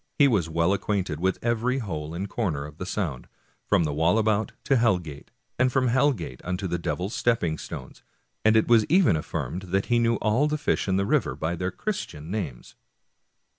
He was well acquainted with every hole and corner of the Sound, from the Walla bout ^ to Hell Gate, and from Hell Gate unto the Devil's Stepping Stones; and it was even affirmed that he knew all the fish in the river by their Christian names.